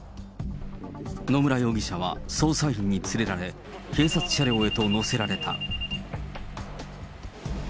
野村容疑者は捜査員に連れられ、警察車両へと乗せられた。